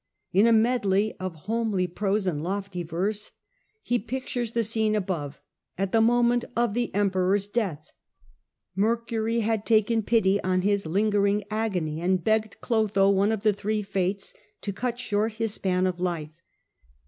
In a medley of Seneca on ,,, 1 r 1 ^ deinca hom sly prose and lofty verse he pictures the tion of ciau scene above at the moment of the Emperor^s death. Mercury had taken pity on his lingering agony, and begged Clotho, one of the three Fates, to cut short his span of life.